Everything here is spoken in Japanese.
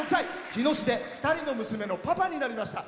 日野市で２人の娘のパパになりました。